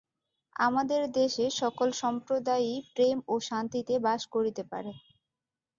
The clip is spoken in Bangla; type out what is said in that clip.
আমাদের দেশে সকল সম্প্রদায়ই প্রেম ও শান্তিতে বাস করিতে পারে।